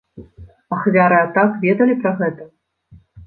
Ахвяры атак ведалі пра гэта?